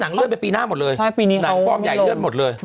หนังคลอร์มใหญ่เรื่องนี้หมดเลย